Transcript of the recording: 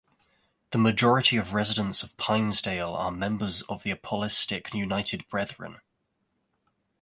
The majority of the residents of Pinesdale are members of the Apostolic United Brethren.